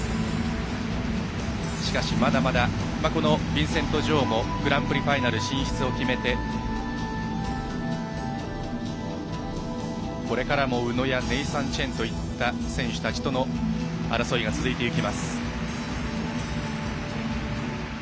しかし、まだまだこのビンセント・ジョウもグランプリファイナル進出を決めてこれからも宇野やネイサン・チェンといった選手たちとの争いが続いていきます。